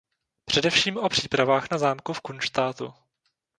Především o přípravách na zámku v Kunštátu.